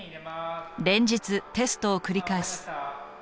連日テストを繰り返す。